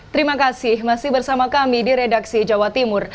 terima kasih masih bersama kami di redaksi jawa timur